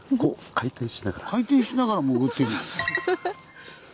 回転しながら潜っていく。